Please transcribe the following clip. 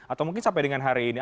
atau mungkin sampai dengan hari ini